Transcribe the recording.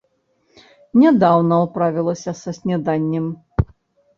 Нядаўна ўправілася са снеданнем.